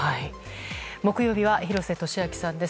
木曜日は廣瀬俊朗さんです。